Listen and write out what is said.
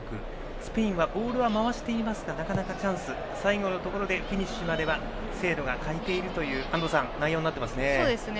スペインはボールは回していますがなかなかチャンス最後のところでフィニッシュまでは精度は欠いている内容になっていますね。